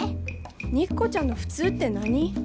肉子ちゃんの普通って何？